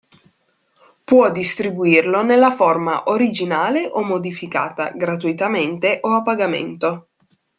Può distribuirlo nella forma originale o modificata, gratuitamente o a pagamento.